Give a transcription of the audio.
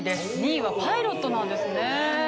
２位はパイロットなんですね。